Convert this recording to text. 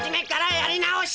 やり直し！